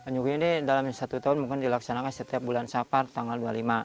nyuguh ini dalam satu tahun mungkin dilaksanakan setiap bulan sapar tanggal dua puluh lima